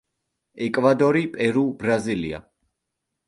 ეკვადორი, პერუ, ბრაზილია.